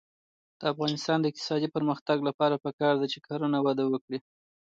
د افغانستان د اقتصادي پرمختګ لپاره پکار ده چې کرنه وده وکړي.